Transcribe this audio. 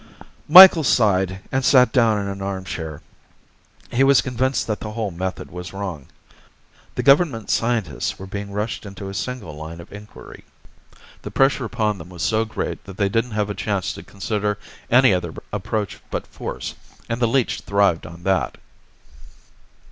Micheals sighed and sat down in an armchair. He was convinced that the whole method was wrong. The government scientists were being rushed into a single line of inquiry. The pressure on them was so great that they didn't have a chance to consider any other approach but force and the leech thrived on that.